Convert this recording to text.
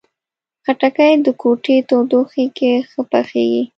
خټکی د کوټې تودوخې کې ښه پخیږي.